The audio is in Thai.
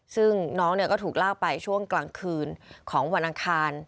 ซึ่งน้องก็ถูกลากไปช่วงกลางคืนของวันอังคาร